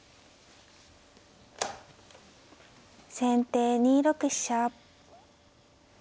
先手２六飛車。